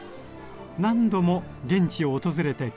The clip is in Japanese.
何度も現地を訪れて研究を重ねました。